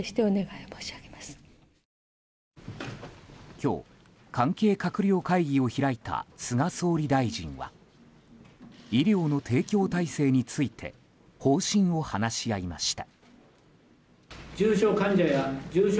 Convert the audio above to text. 今日、関係閣僚会議を開いた菅総理大臣は医療の提供体制について方針を話し合いました。